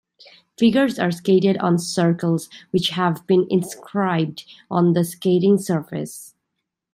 Figures are skated on circles, which have been inscribed on the skating surface.